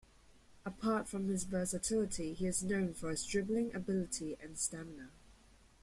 Apart from his versatility, he is known for his dribbling ability and stamina.